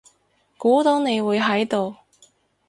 估到你會喺度